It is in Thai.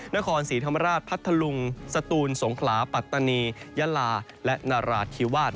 นครศรีธรรมราชพัทธลุงสตูนสงขลาปัตตานียะลาและนราธิวาส